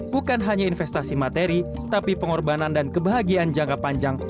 bukan hanya investasi materi tapi pengorbanan dan kebahagiaan jangka panjang